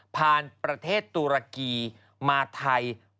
ประเทศตุรกีมาไทย